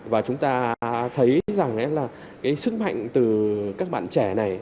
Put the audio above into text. và chúng ta thấy rằng là cái sức mạnh từ các bạn trẻ này